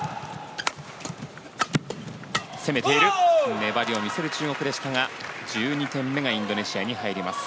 粘りを見せる中国でしたが１２点目がインドネシアに入ります。